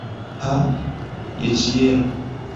Ha, je ĉielo!